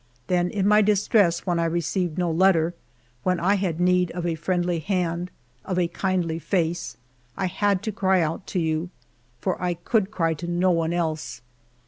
Then in my distress, when I received no letter, when I had need of a friendly hand, of a kindly face, I had to cry out to you, for I could cry to no one else.